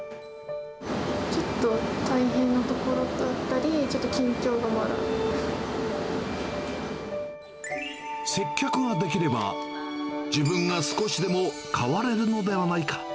ちょっと大変なところだった接客ができれば、自分が少しでも変われるのではないか。